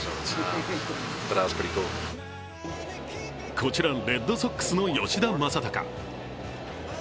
こちらはレッドソックスの吉田正尚。